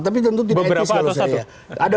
tapi tentu tidak etis kalau saya